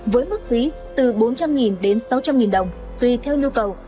với mức phí từ bốn trăm linh đến sáu trăm linh đồng tùy theo nhu cầu